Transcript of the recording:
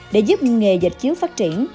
để giúp nghề dịch chiếu phát triển